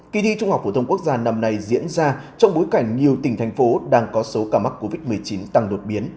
kỳ thi trung học phổ thông quốc gia năm nay diễn ra trong bối cảnh nhiều tỉnh thành phố đang có số ca mắc covid một mươi chín tăng đột biến